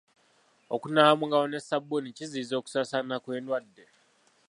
Okunaaba mu ngalo ne sabbuuni kiziyiza okusaasaana kw'endwadde.